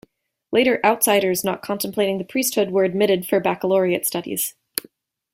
Later "outsiders" not contemplating the priesthood were admitted for baccalaureate studies.